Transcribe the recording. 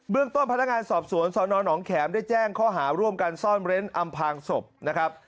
เรื่องต้นพนักงานสอบสวนสนหนองแขมได้แจ้งข้อหาร่วมกันซ่อนเร้นอำพางศพนะครับ